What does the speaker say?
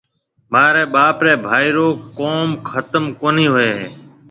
مهاريَ ٻاپ ريَ ڀائي رو ڪوم ختم ڪونَي هوئي هيَ۔